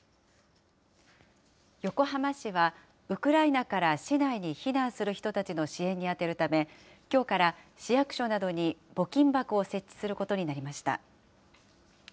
横浜市は、ウクライナから市内に避難する人たちの支援に充てるため、きょうから市役所などに募金箱を設置することになりました。